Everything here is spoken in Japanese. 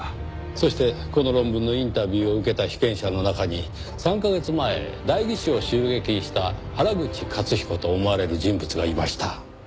そしてこの論文のインタビューを受けた被験者の中に３カ月前代議士を襲撃した原口雄彦と思われる人物がいました。